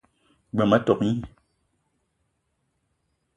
G-beu ma tok gni.